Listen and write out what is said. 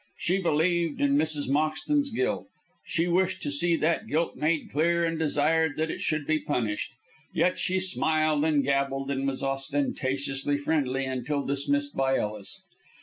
She believed in Mrs. Moxton's guilt. She wished to see that guilt made clear, and desired that it should be punished. Yet she smiled and gabbled, and was ostentatiously friendly until dismissed by Ellis.